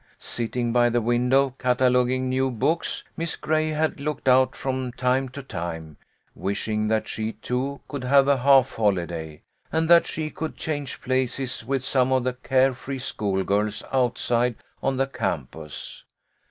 Sitting by the window, cata loguing new books, Miss Gray had looked out from time to time, wishing that she, too, could have a half holiday, and that she could change places with some of the care free schoolgirls outside on the campus.